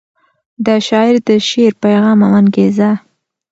د شاعر د شعر پیغام او انګیزه